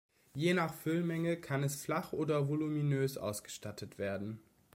Je nach Füllmenge kann es flach oder voluminös ausgestattet werden.